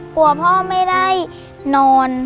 กลัวพ่อไม่ได้นอน